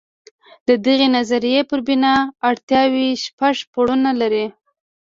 د دغې نظریې پر بنا اړتیاوې شپږ پوړونه لري.